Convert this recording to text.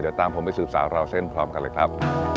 เดี๋ยวตามผมไปสืบสาวราวเส้นพร้อมกันเลยครับ